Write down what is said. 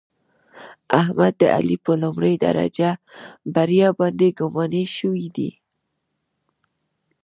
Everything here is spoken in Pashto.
احمد د علي په لومړۍ درجه بریا باندې ګماني شوی دی.